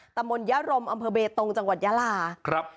มนตยารมอำเภอเบตงจังหวัดยาลาครับ